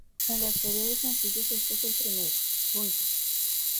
En la serie de sencillos este es el primero.